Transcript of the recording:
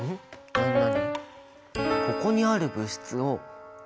何何。